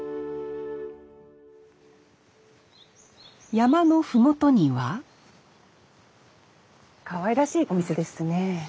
山の麓にはかわいらしいお店ですね。